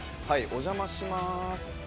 お邪魔します。